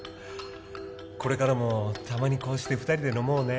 これからもたまにこうして２人で飲もうね・